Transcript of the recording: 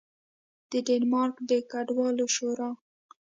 د ډنمارک د کډوالو شورا